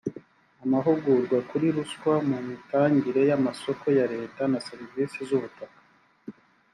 amahugurwa kuri ruswa mu mitangire y’ amasoko ya leta na serivise z’ ubutaka